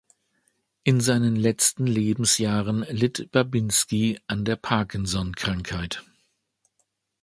In seinen letzten Lebensjahren litt Babinski an der Parkinson-Krankheit.